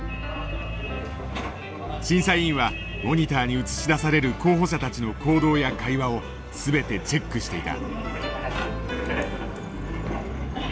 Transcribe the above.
審査委員はモニターに映し出される候補者たちの行動や会話を全てチェックしていた。